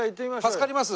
「助かります」